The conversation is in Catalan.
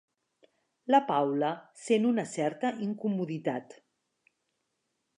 La Paula sent una certa incomoditat.